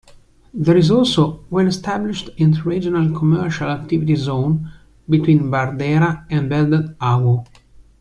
There is also well-established inter-regional commercial activity zone between Bardera and Belad Hawo.